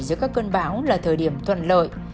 giữa các cơn bão là thời điểm thuận lợi